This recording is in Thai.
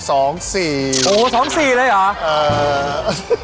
โอ้โห๒๔เลยเหรอ